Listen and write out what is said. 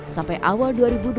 sampai awal dua ribu dua puluh